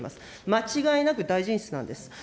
間違いなく大臣室なんです。